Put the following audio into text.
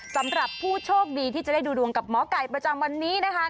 สำหรับผู้โชคดีที่จะได้ดูดวงกับหมอไก่ประจำวันนี้นะคะ